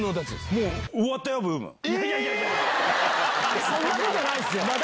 え⁉そんなことないですよ！